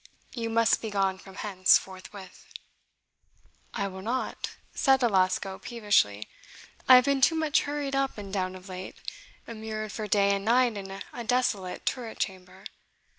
You must be gone from hence forthwith." "I will not," said Alasco peevishly. "I have been too much hurried up and down of late immured for day and night in a desolate turret chamber.